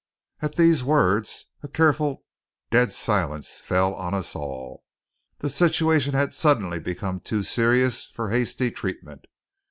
At these words a careful, dead silence fell on us all. The situation had suddenly become too serious for hasty treatment.